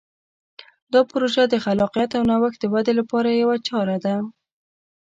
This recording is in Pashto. دا پروژه د خلاقیت او نوښت د ودې لپاره یوه چاره ده.